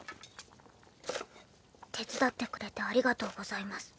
手伝ってくれてありがとうございます。